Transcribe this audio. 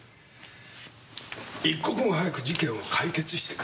一刻も早く事件を解決してくれたまえ。